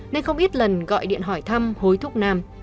nên không ít lần gọi điện hỏi thăm hối thúc nam